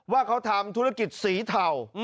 ว่าเขาทำธุรกิจสีเทา